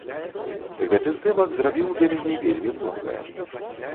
Гэты здымак зрабіў для мяне вельмі многае.